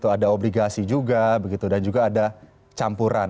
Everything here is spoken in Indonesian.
ada obligasi juga dan juga ada campuran